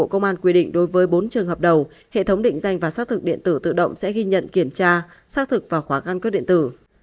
bộ công an quy định đối với bốn trường hợp đầu hệ thống định danh và xác thực điện tử tự động sẽ ghi nhận kiểm tra xác thực vào khóa căn cước điện tử